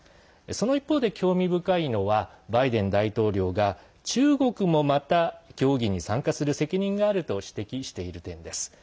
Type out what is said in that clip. その一方で興味深いのはバイデン大統領が中国もまた協議に参加する責任があると指摘している点です。